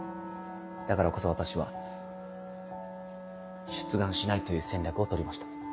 だからこそ私は出願しないという戦略を取りました。